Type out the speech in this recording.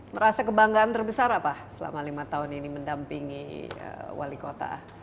merasa kebanggaan terbesar apa selama lima tahun ini mendampingi wali kota